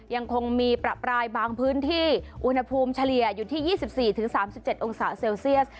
ยังคงมีประปรายบางพื้นที่อุณหภูมิเฉลี่ยอยู่ที่๒๔๓๗องศาเซลเซียส